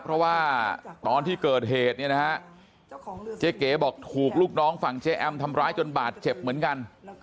เพราะว่าตอนที่เกิดเหตุเนี่ยนะฮะเจ๊เก๋บอกถูกลูกน้องฝั่งเจ๊แอมทำร้ายจนบาดเจ็บเหมือนกัน